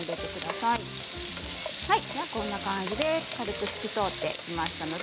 こんな感じで軽く透き通ってきました。